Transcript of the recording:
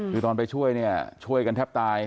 อยู่ตอนไปช่วยช่วยกันแทบตาย